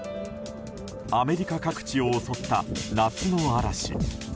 アメリカ各地を襲った夏の嵐。